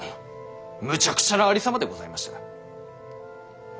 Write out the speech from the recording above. むちゃくちゃなありさまでございました。